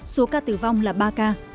số ca tử vong là ba ca